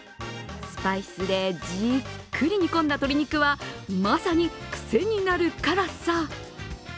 スパイスでじっくり煮込んだ鶏肉は、まさにくせになる辛さ。